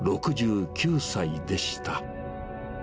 ６９歳でした。